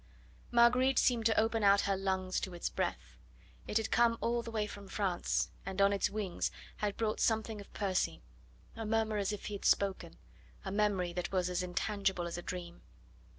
Marguerite seemed to open out her lungs to its breath. It had come all the way from France, and on its wings had brought something of Percy a murmur as if he had spoken a memory that was as intangible as a dream.